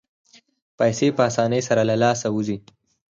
پیسې په اسانۍ سره له لاسه وځي.